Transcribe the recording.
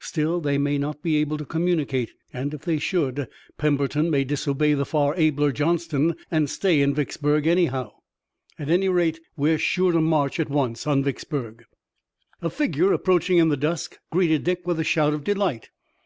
Still, they may not be able to communicate, and if they should Pemberton may disobey the far abler Johnston and stay in Vicksburg anyhow. At any rate, I think we're sure to march at once on Vicksburg." A figure approaching in the dusk greeted Dick with a shout of delight.